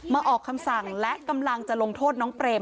ออกคำสั่งและกำลังจะลงโทษน้องเปรม